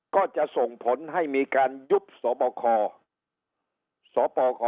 ก็จะส่งผลให้มีการยุบสบคสปค